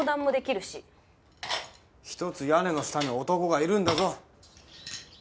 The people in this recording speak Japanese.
一つ屋根の下に男がいるんだぞ。